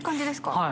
はい。